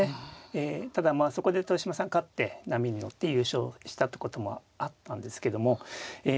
えただまあそこで豊島さん勝って波に乗って優勝したということもあったんですけどもえ